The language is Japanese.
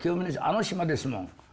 あの島ですもん。